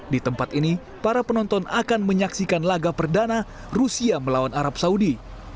di tempat ini para penonton akan menyaksikan laga perdana rusia melawan arab saudi